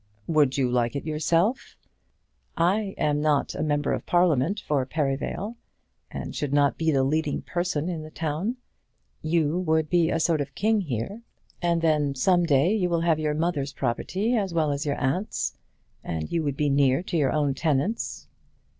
"Would you like it yourself?" "I am not Member of Parliament for Perivale, and should not be the leading person in the town. You would be a sort of king here; and then, some day, you will have your mother's property as well as your aunt's; and you would be near to your own tenants."